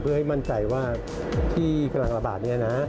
เพื่อให้มั่นใจว่าที่กำลังระบาดเนี่ยนะ